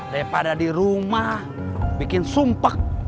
daripada di rumah bikin sumpah